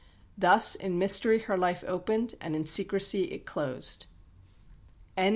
Thus in mystery her life opened, and in secrecy it closed.